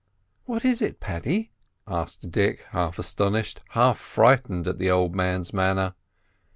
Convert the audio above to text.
"What is it, Paddy?" asked Dick, half astonished, half frightened at the old man's manner.